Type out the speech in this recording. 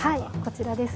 こちらです。